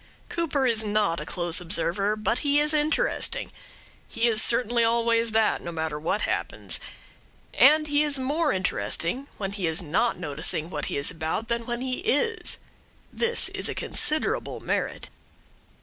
Cooper is not a close observer, but he is interesting. He is certainly always that, no matter what happens. And he is more interesting when he is not noticing what he is about than when he is. This is a considerable merit.